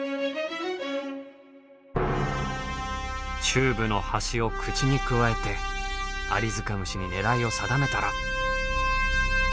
チューブの端を口にくわえてアリヅカムシに狙いを定めたら。